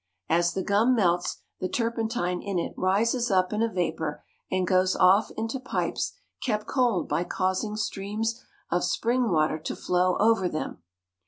As the gum melts, the turpentine in it rises up in a vapor and goes off into pipes kept cold by causing streams of spring water to flow over them.